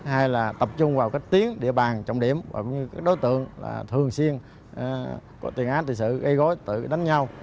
hay là tập trung vào tiến địa bàn trọng điểm đối tượng thường xuyên có tình án tình sự gây gối tự đánh nhau